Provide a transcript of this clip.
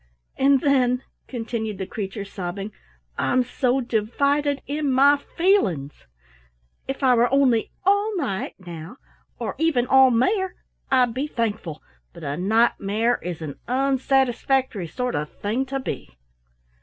"And then," continued the creature, sobbing, "I'm so divided in my feelings. If I were only all Knight, now, or even all Mare, I'd be thankful, but a Knight mare is an unsatisfactory sort of thing to be."